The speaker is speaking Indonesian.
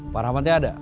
parah mati ada